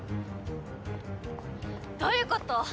どういうこと？